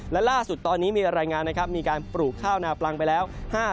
และล่าสุดตอนนี้มีรายงานนะครับมีการปลูกข้าวนาปลังไปแล้ว